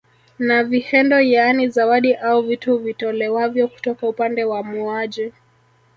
Na vihendo yaani zawadi au vitu vitolewavyo kutoka upande wa muoaji